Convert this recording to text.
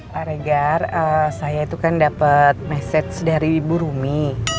pak reger saya itu kan dapet message dari bu rumi